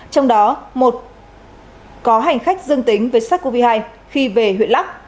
trong đó một có hành khách dưng tính với sars cov hai khi về huyện lắk